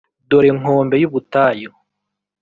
dore nkombe y'ubutayu